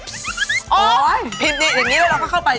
ครีมนี้อันนี้แล้วเราก็เข้าไป